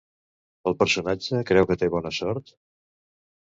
El personatge creu que té bona sort?